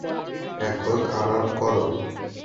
এখন আরাম করো।